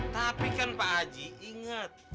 tapi kan pak haji ingat